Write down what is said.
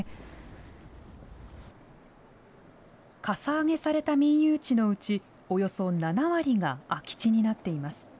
かさ上げされた民有地のうち、およそ７割が空き地になっています。